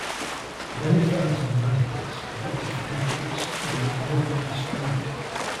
Many files on radicals, collected for decades, were ordered destroyed.